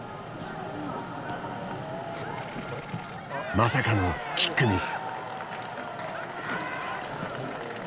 まさかのキックミス。